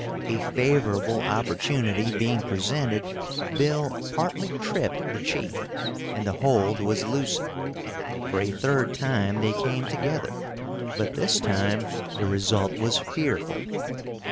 A favorable opportunity being presented, Bill partly tripped the chief, and the hold was loosened. For a third time they came together, but this time the result was fearful.